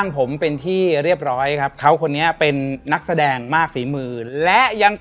เป็นเหมือนแบบ